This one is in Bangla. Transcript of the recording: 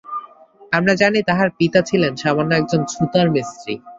আমরা জানি, তাঁহার পিতা ছিলেন সামান্য একজন ছুতার মিস্ত্রী।